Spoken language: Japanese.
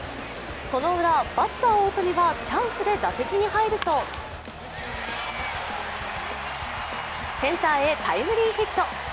そのウラ、バッター・大谷はチャンスで打席に入るとセンターへタイムリーヒット。